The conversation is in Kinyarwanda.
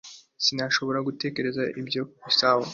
Sinashoboraga gutekereza ko ibyo bizabaho